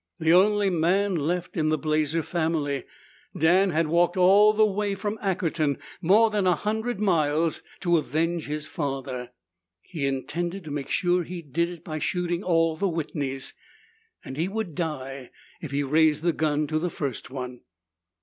The only man left in the Blazer family, Dan had walked all the way from Ackerton more than a hundred miles to avenge his father. He intended to make sure he did it by shooting all the Whitneys, and he would die if he raised the gun to the first one.